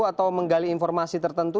atau menggali informasi tertentu